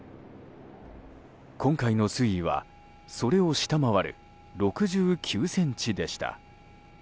今回の水位は、それを下回る６９ｃｍでした。